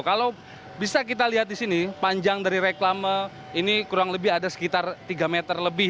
kalau bisa kita lihat di sini panjang dari reklama ini kurang lebih ada sekitar tiga meter lebih